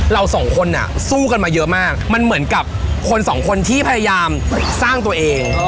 เราสองคนสู้กันมาเยอะมากมันเหมือนกับคนสองคนที่พยายามสร้างตัวเอง